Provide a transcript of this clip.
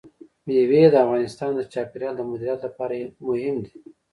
مېوې د افغانستان د چاپیریال د مدیریت لپاره مهم دي.